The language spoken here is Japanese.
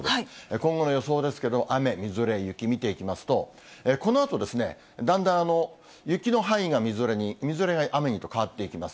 今後の予想ですけど、雨、みぞれ、雪、見ていきますと、このあと、だんだん雪の範囲がみぞれに、みぞれが雨にと変わっていきます。